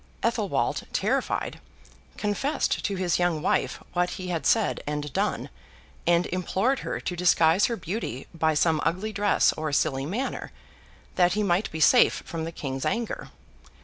Athelwold, terrified, confessed to his young wife what he had said and done, and implored her to disguise her beauty by some ugly dress or silly manner, that he might be safe from the King's anger.